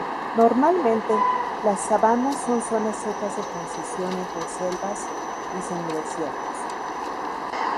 Normalmente, las sabanas son zonas secas de transición entre selvas y semidesiertos.